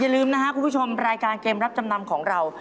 ลืมนะครับคุณผู้ชมรายการเกมรับจำนำของเรา